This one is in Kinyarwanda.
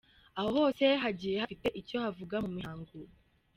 Aho hose hagiye hafite icyo havuga mu mihango.